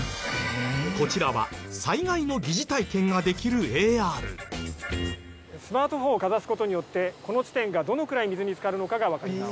こちらはスマートフォンをかざす事によってこの地点がどのくらい水につかるのかがわかります。